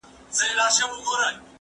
زه له سهاره لوښي وچوم!!